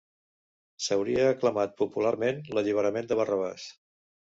S'hauria aclamat popularment l'alliberament de Barrabàs.